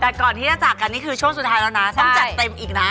แต่ก่อนทำอันจากกันนี่คือช่วงสุดท้ายสักอย่างแล้วนะ